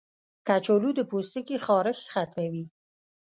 کچالو د پوستکي خارښ ختموي.